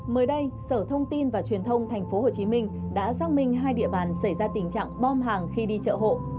mới đây sở thông tin và truyền thông tp hcm đã xác minh hai địa bàn xảy ra tình trạng bom hàng khi đi chợ hộ